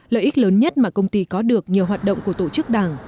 lợi ích lớn nhất mà công ty có được nhờ hoạt động của tổ chức đảng